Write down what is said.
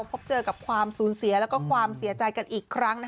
พบเจอกับความสูญเสียและความเสียใจกันอีกครั้ง